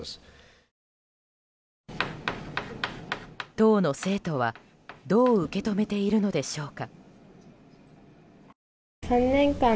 当の生徒はどう受け止めているのでしょうか。